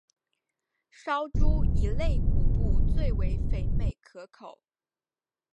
烧猪以肋骨部最为肥美可口。